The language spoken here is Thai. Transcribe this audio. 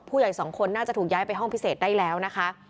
ผู้ใหญ่สองคนน่าจะถูกย้ายไปห้องพิเศษได้แล้วนะคะ